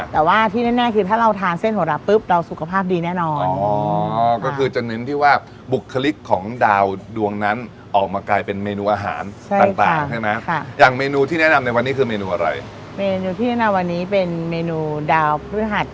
แต่ว่าที่แน่คือถ้าเราทานเส้นหัวหลักปุ๊บเราสุขภาพดีแน่นอนอ๋อก็คือจะเน้นที่ว่าบุคลิกของดาวดวงนั้นออกมากลายเป็นเมนูอาหารต่างใช่ไหมค่ะอย่างเมนูที่แนะนำในวันนี้คือเมนูอะไรเมนูที่แนะนำวันนี้เป็นเมนูดาวพระธรรม